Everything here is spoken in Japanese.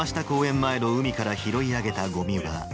前の海から拾い上げたごみは。